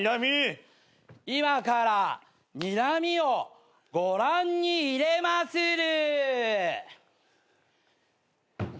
今からにらみをご覧にいれまする。